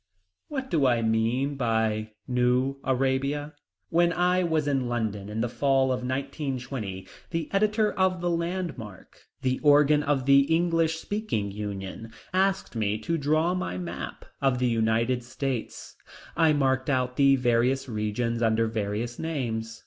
What do I mean by New Arabia? When I was in London in the fall of 1920 the editor of The Landmark, the organ of The English Speaking Union, asked me to draw my map of the United States. I marked out the various regions under various names.